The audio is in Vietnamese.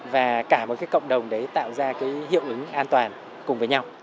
và cả một cái cộng đồng đấy tạo ra cái hiệu ứng an toàn cùng với nhau